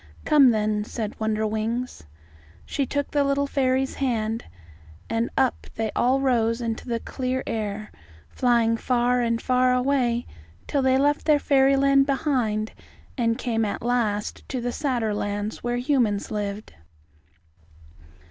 "Come then," said Wonderwings. She took the little fairy's hand, and up they all rose into the clear air, flying far and far away till they left their fairyland behind and came at last to the sadder lands where humans lived.